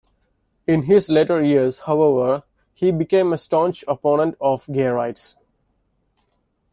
In his later years, however, he became a staunch opponent of gay rights.